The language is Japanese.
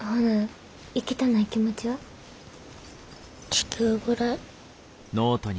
地球ぐらい。